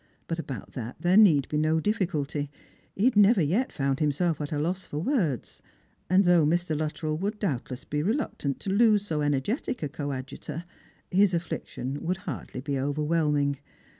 But about that there need be no difiiculty. He had never yet found him self at a loss for words : and though Mr. Luttrell would doubtless be reluctant to lose so energetic a coadjutor, his affliction wouW hardly be overwhelming.